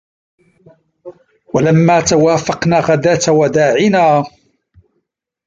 ولما توافقنا غداة وداعنا